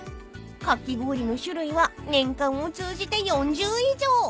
［かき氷の種類は年間を通じて４０以上］